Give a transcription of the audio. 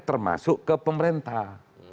termasuk ke pemerintah